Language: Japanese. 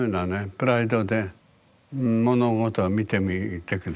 プライドで物事を見てみて下さいよ。